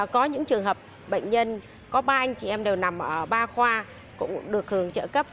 có những trường hợp bệnh nhân có ba anh chị em đều nằm ở ba khoa cũng được hưởng trợ cấp